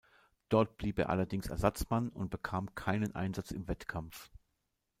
Dort blieb er allerdings Ersatzmann und bekam keinen Einsatz im Wettkampf.